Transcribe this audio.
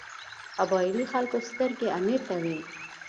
قبایلي خلکو سترګې امیر ته وې.